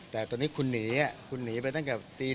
แต่ตอนนี้คุณนี้อ่ะคุณนี้ไปตั้งกลับตีนึงอ่ะ